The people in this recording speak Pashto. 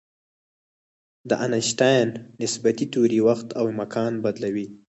د آینشټاین نسبیتي تیوري وخت او مکان بدلوي.